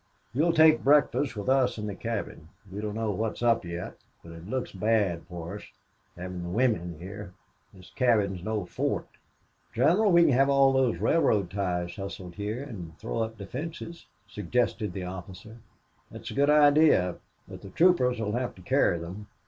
"You'll take breakfast with us in the cabin. We don't know what's up yet. But it looks bad for us having the women here. This cabin is no fort." "General, we can have all those railroad ties hustled here and throw up defenses," suggested the officer. "That's a good idea. But the troopers will have to carry them.